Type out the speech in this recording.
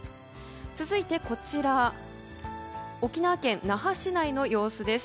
続いて沖縄県那覇市内の様子です。